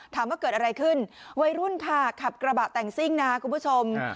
ถามว่าเกิดอะไรขึ้นวัยรุ่นค่ะขับกระบะแต่งซิ่งนะคุณผู้ชม